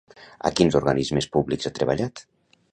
A quins organismes públics ha treballat?